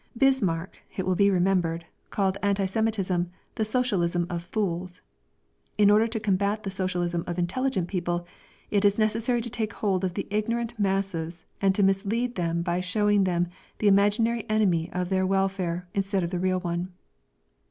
Bismarck, it will be remembered, called anti Semitism the socialism of fools. In order to combat the socialism of intelligent people, it is necessary to take hold of the ignorant masses and to mislead them by showing them the imaginary enemy of their welfare instead of the real one.